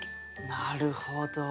なるほど。